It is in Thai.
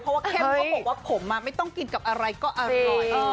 เพราะว่าเข้มเขาบอกว่าผมไม่ต้องกินกับอะไรก็อร่อย